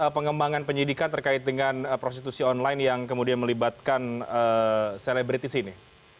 pengembangan penyidikan terkait dengan prostitusi online yang kemudian melibatkan selebritis ini